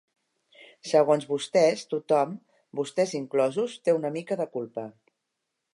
Segons vostès, tothom, vostès inclosos, té una mica de culpa.